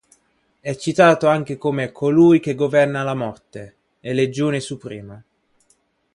È citato anche come "Colui che governa la morte" e "Legione Suprema".